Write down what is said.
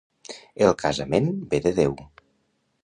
El casament ve de Déu.